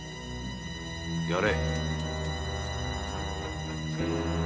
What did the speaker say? やれ。